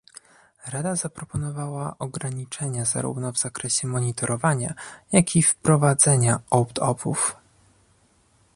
Rada zaproponowała ograniczenia zarówno w zakresie monitorowania, jak i wprowadzenia opt-outów